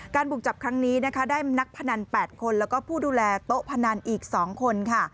บุกจับครั้งนี้นะคะได้นักพนัน๘คนแล้วก็ผู้ดูแลโต๊ะพนันอีก๒คนค่ะ